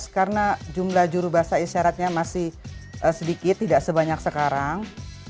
karena jumlah juru bahasa isyaratnya masih sedikit tidak sebanyak sekarang